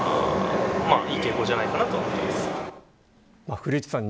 古市さん